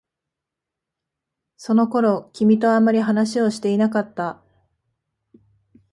その頃、君とあまり話をしていなかった。